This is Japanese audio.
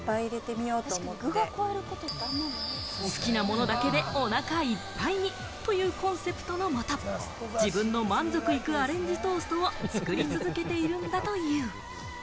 好きなものだけで、おなかいっぱいに！というコンセプトのもと、自分の満足いくアレンジトーストを作り続けているんだという。